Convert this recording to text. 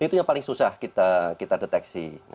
itu yang paling susah kita deteksi